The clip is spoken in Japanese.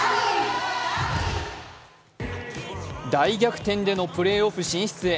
大逆転でのプレーオフ進出へ。